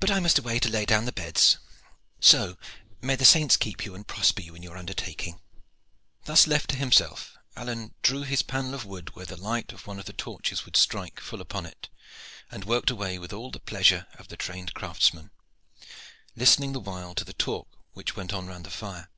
But I must away to lay down the beds. So may the saints keep you and prosper you in your undertaking!" Thus left to himself, Alleyne drew his panel of wood where the light of one of the torches would strike full upon it, and worked away with all the pleasure of the trained craftsman, listening the while to the talk which went on round the fire.